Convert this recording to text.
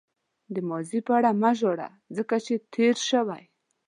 د ماضي په اړه مه ژاړه ځکه چې تېر شوی.